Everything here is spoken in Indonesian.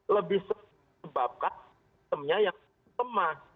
lebih sebabkan sistemnya yang lemah